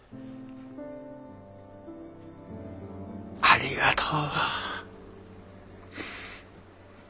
ありがとう。